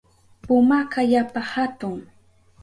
Pumaka yapa hatun.